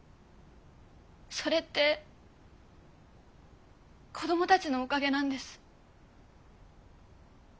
それって子供たちのおかげなんです。